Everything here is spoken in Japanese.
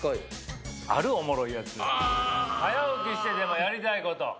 早起きしてでもやりたいこと。